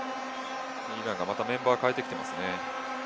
イランがまたメンバーを代えてきていますね。